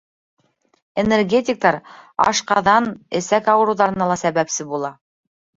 Энергетиктар ашҡаҙан-эсәк ауырыуҙарына ла сәбәпсе була.